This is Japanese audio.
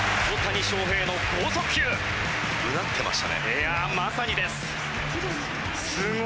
いやあまさにです！